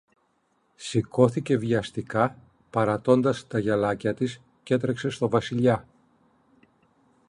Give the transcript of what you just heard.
Σηκώθηκε βιαστικά, παρατώντας τα γυαλάκια της, κι έτρεξε στο Βασιλιά.